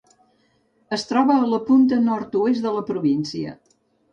Es troba a la punta nord-oest de la província.